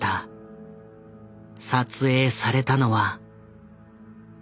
撮影されたのは。